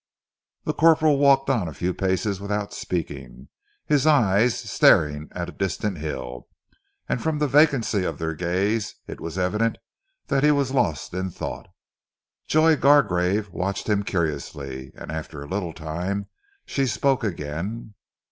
The corporal walked on a few paces without speaking, his eyes staring at a distant hill, and from the vacancy of their gaze it was evident that he was lost in thought. Joy Gargrave watched him curiously, and, after a little time, she spoke again.